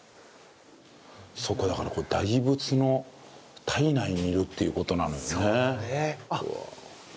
そうかだからこれ大仏の胎内にいるっていう事なのよね。